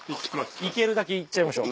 行けるだけ行っちゃいましょう。